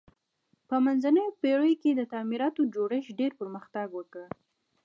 په منځنیو پیړیو کې د تعمیراتو جوړښت ډیر پرمختګ وکړ.